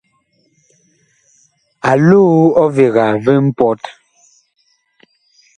A loo ɔvega vi mpɔt.